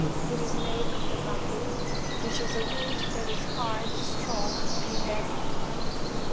It is made of the bamboo, which is a wood that is hard, strong, and heavy.